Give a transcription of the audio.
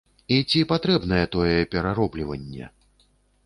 І ці патрэбнае тое пераробліванне?